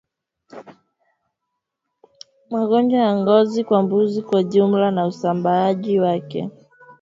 Magonjwa ya ngozi kwa mbuzi kwa jumla na usambaaji wake